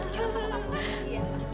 jangan lupa pak